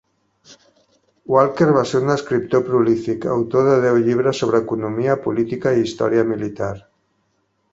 Walker va ser un escriptor prolífic, autor de deu llibres sobre economia política i història militar.